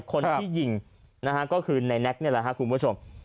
คนที่ยิงก็คือนายแน็กซ์นี่แหละครับคุณผู้ชม